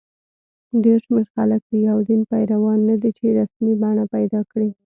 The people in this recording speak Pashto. ډېر شمېر خلک د یو دین پیروان نه دي چې رسمي بڼه پیدا کړي.